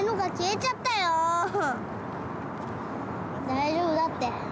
「大丈夫だって。